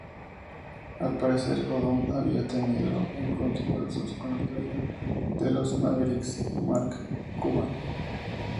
Al parecer, Odom había tenido encontronazos con el dueño de los Mavericks, Mark Cuban.